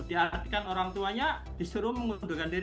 diartikan orang tuanya disuruh mengundurkan diri